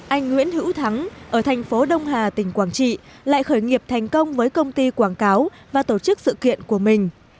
anh nguyễn hữu thắng ở thành phố đông hà tỉnh quảng trị lại khởi nghiệp thành công với công ty quảng cáo và tổ chức sự kiện của mình